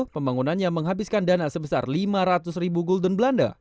pembangunannya menghabiskan dana sebesar lima ratus ribu gulden belanda